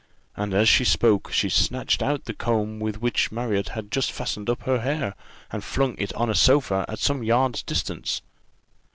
And, as she spoke, she snatched out the comb with which Marriott had just fastened up her hair, and flung it on a sofa at some yards' distance.